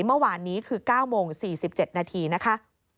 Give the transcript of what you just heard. เมื่อวานนี้คือ๙โมง๔๗นาทีนะคะ